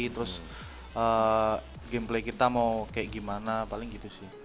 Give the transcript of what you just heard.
terus gameplay kita mau kayak gimana paling gitu sih